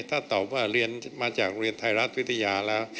ถ้าตอบว่าเรียนมาจากโรงเรียนไทยรัฐวิทยาแล้ว